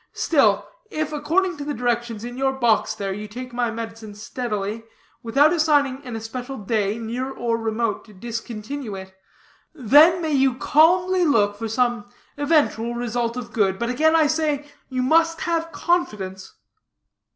Still, if, according to the directions in your box there, you take my medicine steadily, without assigning an especial day, near or remote, to discontinue it, then may you calmly look for some eventual result of good. But again I say, you must have confidence."